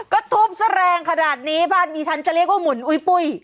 ก็ทุบซะแรงขนาดนี้บ้านนี้ฉันจะเรียกว่าหมุนอุ้ยปุ้ย